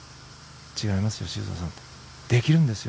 違いますよ、修造さんできるんですよ